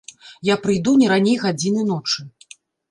Я прыйду не раней гадзіны ночы.